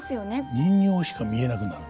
人形しか見えなくなる。